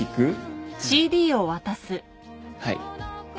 はい。